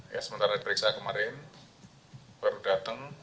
ya sementara diperiksa kemarin baru datang